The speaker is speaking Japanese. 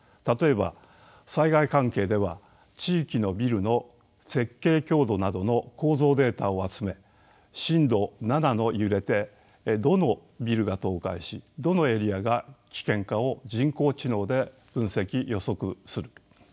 例えば災害関係では地域のビルの設計強度などの構造データを集め震度７の揺れでどのビルが倒壊しどのエリアが危険かを人工知能で分析予測する。